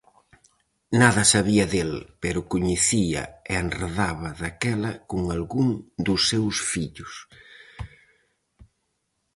Nada sabía del, pero coñecía e enredaba daquela con algún dos seus fillos.